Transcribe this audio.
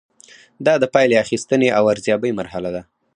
دا د پایلې اخیستنې او ارزیابۍ مرحله ده.